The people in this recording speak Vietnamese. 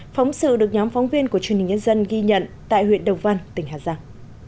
phóng sự được nhóm phóng viên của truyền hình nhân dân ghi nhận tại huyện đồng văn tỉnh hà giang